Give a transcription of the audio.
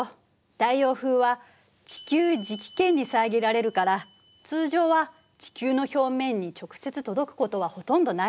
太陽風は地球磁気圏に遮られるから通常は地球の表面に直接届くことはほとんどないの。